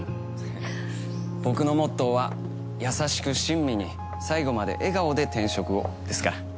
ははっ僕のモットーは優しく親身に最後まで笑顔で転職をですから。